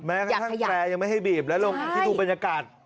แท้แท้แยะยังไม่ให้บีบและลงที่ถู่บรรยากาศ